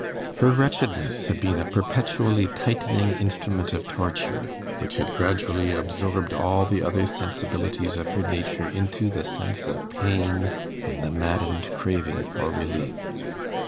Her wretchedness had been a perpetually tightening instrument of torture, which had gradually absorbed all the other sensibilities of her nature into the sense of pain and the maddened craving for relief.